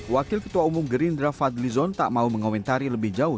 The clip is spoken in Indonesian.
wakil ketua umum gerindra fadli zon tak mau mengomentari lebih jauh